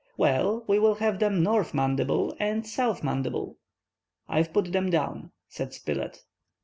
"Well, we will have them North Mandible and South Mandible." "I've put them down," said Spilett.